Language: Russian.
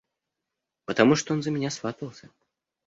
– Потому что он за меня сватался.